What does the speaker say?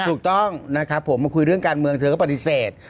ถูกต้องนะครับผมมาคุยเรื่องการเมืองเธอก็ปฏิเสธ